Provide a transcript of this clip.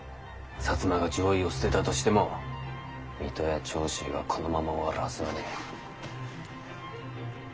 摩が攘夷を捨てたとしても水戸や長州がこのまま終わるはずはねえ。